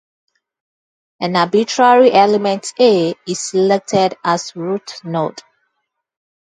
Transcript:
An arbitrary element "a" is selected as root node.